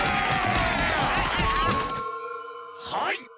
はい！